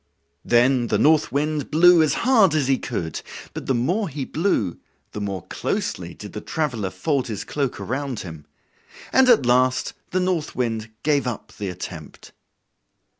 Then the North Wind blew as hard as he could, but the more he blew the more closely did the traveler fold his cloak around him; and at last the North Wind gave up the attempt.